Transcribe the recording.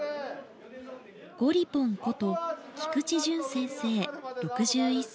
「ゴリポン」こと菊地淳先生６１歳。